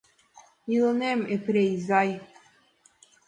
— Илынем, Епрем изай.